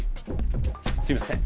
すいません。